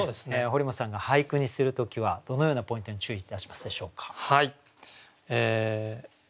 堀本さんが俳句にする時はどのようなポイントに注意いたしますでしょうか？